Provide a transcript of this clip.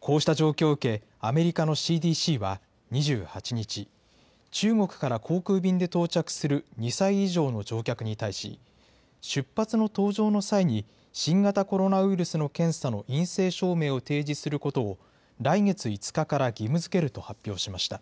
こうした状況を受け、アメリカのＣＤＣは２８日、中国から航空便で到着する２歳以上の乗客に対し、出発の搭乗の際に、新型コロナウイルスの検査の陰性証明を提示することを、来月５日から義務づけると発表しました。